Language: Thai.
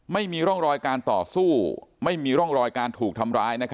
ไม่มีร่องรอยการต่อสู้ไม่มีร่องรอยการถูกทำร้าย